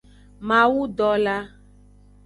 Mawudola.